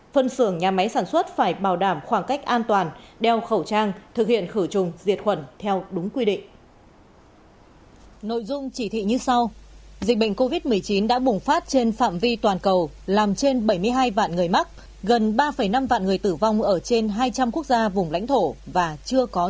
phân xưởng nhà máy sản xuất phải bảo đảm khoảng cách an toàn đeo khẩu trang thực hiện khử trùng diệt khuẩn theo đúng quy định